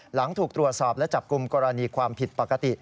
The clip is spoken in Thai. หลังถูกตรวจสอบและจับกลุ่มกรณีความผิดปกติ